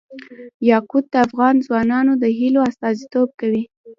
یاقوت د افغان ځوانانو د هیلو استازیتوب کوي.